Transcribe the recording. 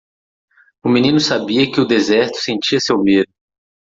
O menino sabia que o deserto sentia seu medo.